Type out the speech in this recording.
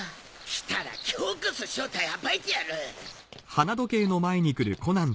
来たら今日こそ正体暴いてやる！